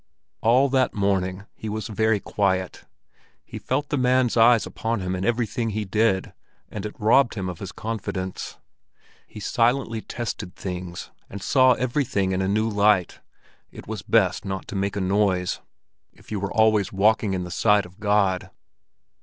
All that morning he was very quiet. He felt the man's eyes upon him in everything he did, and it robbed him of his confidence. He silently tested things, and saw everything in a new light; it was best not to make a noise, if you were always walking in the sight of God.